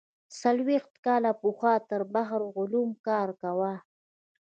څلوېښت کاله پخوا پر بحر العلوم کار کاوه.